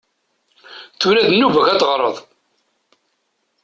Tura d nnuba-k ad d-teɣreḍ.